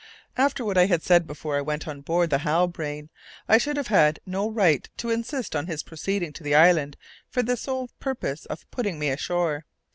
After what I had said before I went on board the Halbrane, I should have had no right to insist on his proceeding to the island for the sole purpose of putting me ashore.